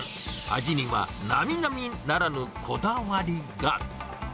味には並々ならぬこだわりが。